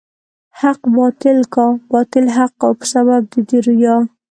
حق باطل کا، باطل حق کا په سبب د دې ريا